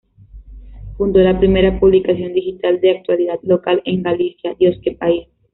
Fundó la primera publicación digital de actualidad local en Galicia "Dios, que país".